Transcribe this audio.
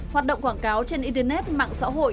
hoạt động quảng cáo trên internet mạng xã hội